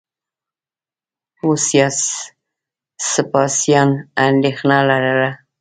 وسپاسیان اندېښنه لرله.